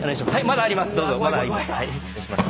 まだあります。